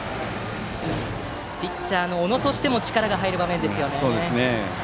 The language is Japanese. ピッチャーの小野としても力の入る場面です。